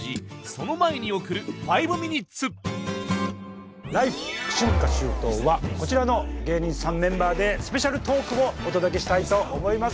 その前に送る「５ミニッツ」「ＬＩＦＥ！春夏秋冬」はこちらの芸人さんメンバーでスペシャルトークをお届けしたいと思います。